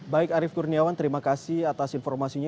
baik arief kurniawan terima kasih atas informasinya